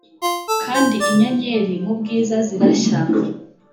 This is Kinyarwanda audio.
kandi inyenyeri mubwiza zirashya.